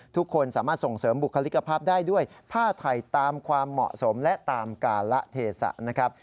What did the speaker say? ทุกคนสามารถส่งเสริมบุคลิกภาพได้ด้วยผ้าไทยตามความเหมาะสมและตามการละเทศะนะครับ